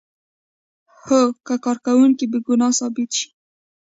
هو که کارکوونکی بې ګناه ثابت شي.